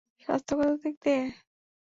স্বাস্থ্যগত দিক দিয়ে?